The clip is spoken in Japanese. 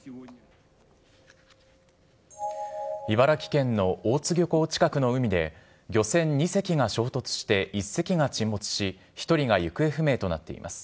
茨城県の大津漁港近くの海で、漁船２隻が衝突して１隻が沈没し、１人が行方不明となっています。